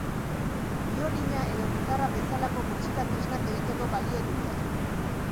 Biolina edo gitarra bezalako musika-tresnak egiteko balio dute.